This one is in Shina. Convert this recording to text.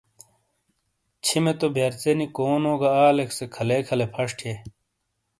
چھمے تو بیئرژ ینی کونو گہ آلیکسے کھلے کھلے فش تھئیے۔